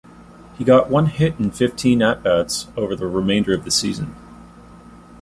He got one hit in fifteen at-bats over the remainder of the season.